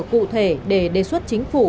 cụ thể để đề xuất chính phủ